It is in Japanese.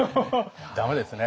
駄目ですね。